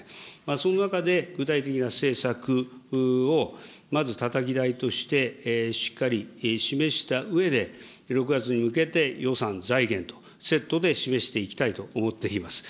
その中で具体的な政策を、まずたたき台として、しっかり示したうえで、６月に向けて予算財源とセットで示していきたいと思っています。